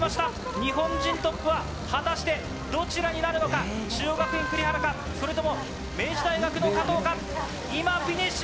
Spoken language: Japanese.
日本人トップは果たしてどちらになるのか、中央学院、栗原か、それとも明治大学かとうか、今、フィニッシュ。